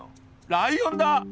ライオンだ！